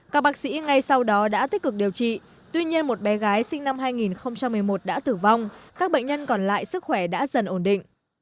các bác sĩ ngay sau đó đã tích cực điều trị tuy nhiên một bé gái sinh năm hai nghìn một mươi một đã tử vong các bệnh nhân còn lại sức khỏe đã dần ổn định